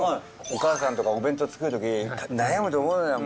お母さんとかお弁当作る時悩むと思うのよ。